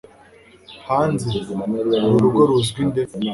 hanze? uru rugo ruzwi nde